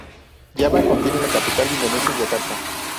Java contiene a la capital de Indonesia, Yakarta.